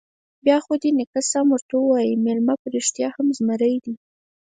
_بيا خو دې نيکه سم ورته وايي، مېلمه په رښتيا هم زمری دی.